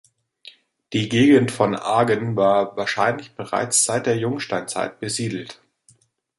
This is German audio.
Die Gegend von Agen war wahrscheinlich bereits seit der Jungsteinzeit besiedelt.